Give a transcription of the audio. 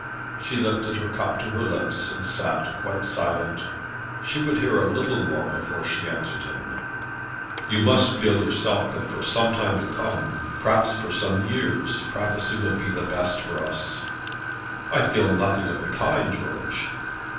She lifted her cup to her lips and sat quite silent. She would hear a little more before she answered him. "You must feel yourself that for some time to come, perhaps for some years, privacy will be the best for us." "I feel nothing of the kind, George."